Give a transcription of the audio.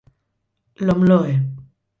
Lomloe